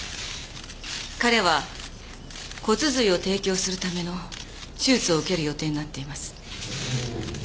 彼は骨髄を提供するための手術を受ける予定になっています。